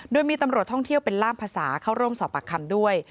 โดยมีตำรวจท่องเที่ยวเป็นล่ามภาษาเข้าร่วมสอบปากคำด้วย